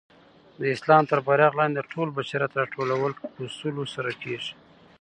د اسلام تر بیرغ لاندي د ټول بشریت راټولول په اصولو سره کيږي.